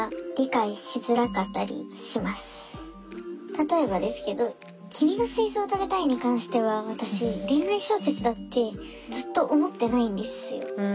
例えばですけど「君の膵臓をたべたい」に関しては私恋愛小説だってずっと思ってないんですよ。